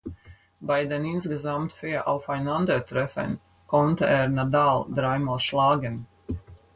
Bei den insgesamt vier Aufeinandertreffen konnte er Nadal dreimal schlagen.